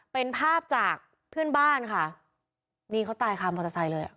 เป็นภาพจากเพื่อนบ้านค่ะนี่เขาตายคามอเตอร์ไซค์เลยอ่ะ